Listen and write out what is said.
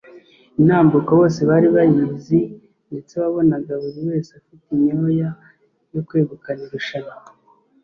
intambuko bose bari bayizi ndetse wabonaga buri wese afite inyoya yo kwegukana irushanwa